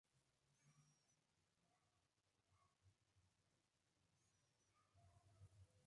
Investigó el tema del estructuralismo lingüístico y de la fonología española en Chile.